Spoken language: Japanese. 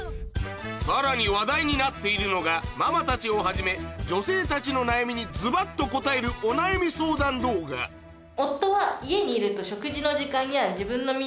さらに話題になっているのがママたちをはじめ女性たちの悩みにズバっと答えるお悩み相談動画カァヤダ。